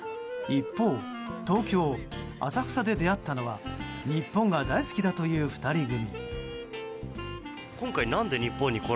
一方、東京・浅草で出会ったのは日本が大好きだという２人組。